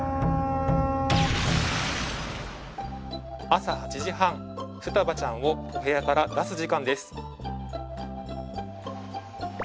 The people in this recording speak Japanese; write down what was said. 朝８時半ふたばちゃんをお部屋から出す時間です